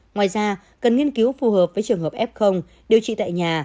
ngoài ra cần nghiên cứu phù hợp với trường hợp f điều trị tại nhà